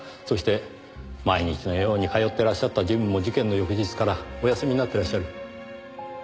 そして毎日のように通ってらっしゃったジムも事件の翌日からお休みになってらっしゃる。